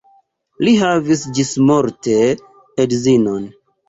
Li havis ĝismorte edzinon.